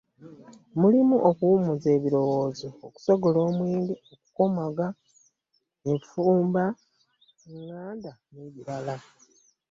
Mulimu okuwummuza ebirowoozo, okusogola omwenge, okukomaga, enfumba enganda n'ebirala